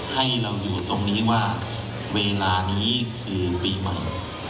ให้เราอยู่ตรงนี้ว่าเวลานี้คืนปีใหม่